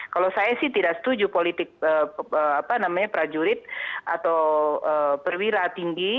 kalau saya sih tidak setuju politik prajurit atau perwira tinggi